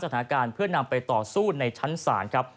สถานการณ์เพื่อนำไปต่อสู้ในชั้นศาลครับ